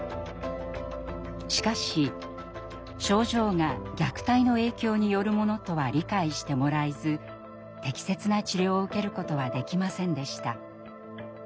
しかし症状が虐待の影響によるものとは理解してもらえず適切な治療を受けることはできませんでした。